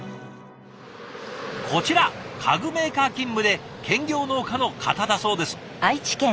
こちら家具メーカー勤務で兼業農家の方だそうです。